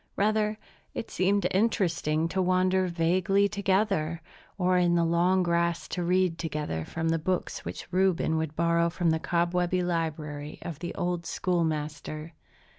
Rather, it seemed interesting to wander vaguely together, or in the long grass to read together from the books which Reuben would borrow from the cobwebby library of the old schoolmaster.